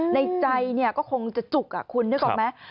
ในใจก็คงจะจุกคุณนึกออกไหม